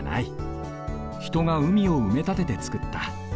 ひとがうみを埋め立ててつくった。